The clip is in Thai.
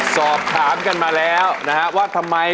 สอบถามกันมาแล้วนะฮะว่าทำไม